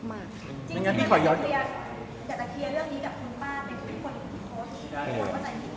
จริงหนูอยากจะเคลียร์เรื่องนี้กับคุณป้าแต่คุณเป็นคนที่โพสต์